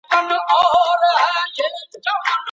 د فاميل ستاينه څه ګټې او حکمتونه لري؟